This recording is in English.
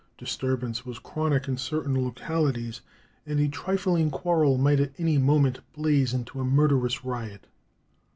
Disturbance was chronic in certain localities, and a trifling quarrel might at any moment blaze into a murderous riot.